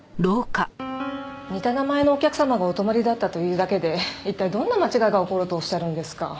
似た名前のお客様がお泊まりだったというだけで一体どんな間違いが起こるとおっしゃるんですか？